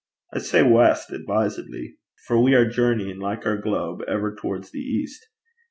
I say west advisedly. For we are journeying, like our globe, ever towards the east.